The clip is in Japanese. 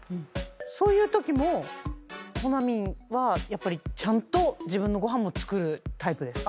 そういうときもほなみんはちゃんと自分のご飯も作るタイプですか？